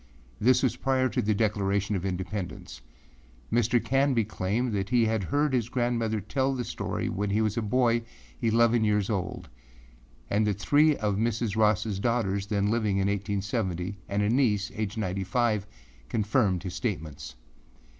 This was prior to the Declaration of Independence. Mr. Canby claimed that he had heard his grandmother tell the story when he was a boy eleven years old, and that three of Mrs. Rossâ daughters then living in 1870 and a niece, aged ninety five, confirmed his statements.